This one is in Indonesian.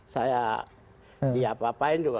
saya diapa apain juga